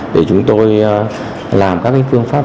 để chúng tôi làm các phương pháp